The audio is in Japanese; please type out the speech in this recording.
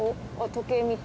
時計見た。